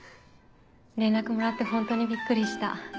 連絡もらって本当にびっくりした。